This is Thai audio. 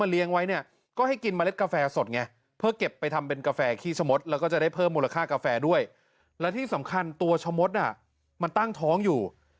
และที่สำคัญตัวชมดตั้งท้องอยู่